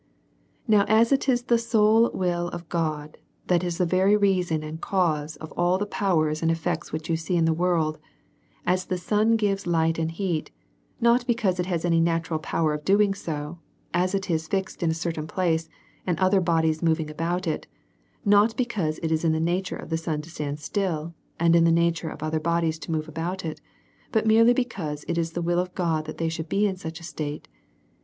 Now, as it is the sole will of God that is the reason and cause of all the powers and effects which you see in the world; as the sun gives light and heat, not because it has any natural power of so doing, as it is fixed in a certain place, and other bodies move about it, not because it is in the nature of the sun to stand still, and in the nature of other bodies to move about it, but merely because it is the will of God that they should be in such a state.